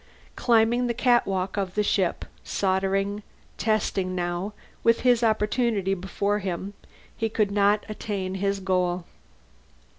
Climbing the catwalk of the ship, soldering, testing now, with his opportunity before him, he could not attain his goal.